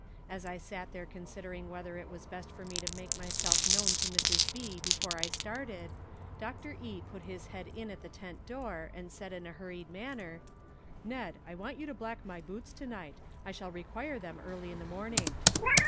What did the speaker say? As I sat there considering whether it was best for me to make myself known to Mrs. B. before I started, Dr. E. put his head in at the tent door and said in a hurried manner: "Ned, I want you to black my boots to night; I shall require them early in the morning."